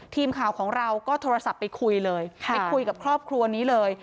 ทีมข่าวของเราก็โทรศัพท์ไปคุยเลยไปคุยกับครอบครัวนี้เลย